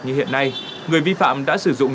như hiện nay người vi phạm đã sử dụng